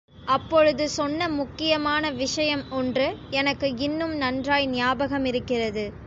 அவர் அப்பொழுது சொன்ன முக்கியமான விஷயம் ஒன்று எனக்கு இன்னும் நன்றாய் ஞாபகமிருக் கிறது.